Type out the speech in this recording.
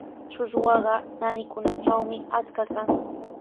Trutrwaqa naanikunatrawmi achka kan.